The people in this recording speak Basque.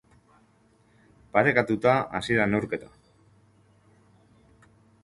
Parekatuta hasi da neurketa.